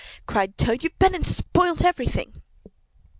cried Toad, "You've been and spoilt everything!"